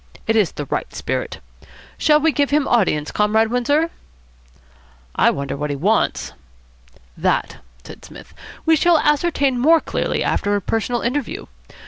It is the right spirit. Shall we give him audience, Comrade Windsor?" "I wonder what he wants." "That," said Psmith, "we shall ascertain more clearly after a personal interview.